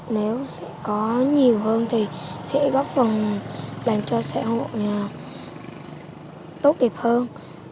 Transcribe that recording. nếu có nhiều hơn thì sẽ góp phần làm cho xã hội tốt đẹp hơn